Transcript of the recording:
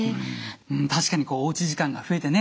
うん確かにこうおうち時間が増えてね